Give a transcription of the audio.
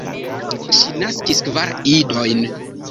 Ŝi naskis kvar idojn.